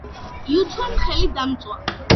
იუთომ ხელი დამწვა